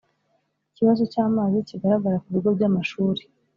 Ikibazo cy’amazi kigarara ku bigo by’amashuri